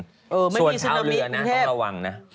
ไม่มีซึนามิถึงเทพต้องระวังนะส่วนเท่าเรือน่ะต้องระวังนะ